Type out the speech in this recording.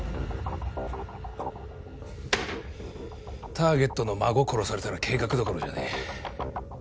ターゲットの孫殺されたら計画どころじゃねぇ。